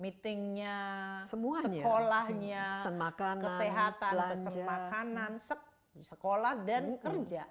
meetingnya sekolahnya kesehatan makanan sekolah dan kerja